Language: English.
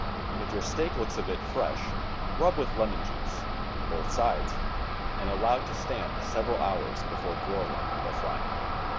If your steak looks a bit fresh rub with lemon juice (both sides) and allow to stand several hours before broil ing or frying.